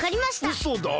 うそだろ？